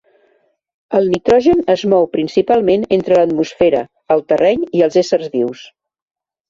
El nitrogen es mou principalment entre l'atmosfera, el terreny i els éssers vius.